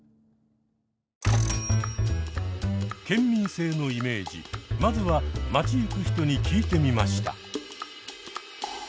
県民性のイメージまずは街ゆく人に聞いてみました！